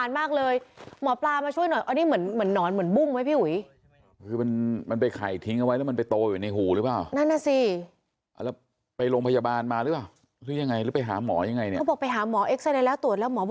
ผมก็เชื่อไปอย่างนั้นครับ